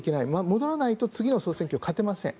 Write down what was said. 戻らないと次の総選挙、勝てません。